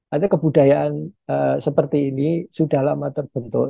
artinya kebudayaan seperti ini sudah lama terbentuk